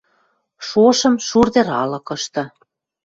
Шошым Шур тӹр алыкышты